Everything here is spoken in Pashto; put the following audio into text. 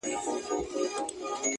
خو زه بيا داسي نه يم.